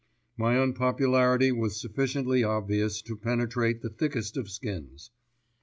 My unpopularity was sufficiently obvious to penetrate the thickest of skins.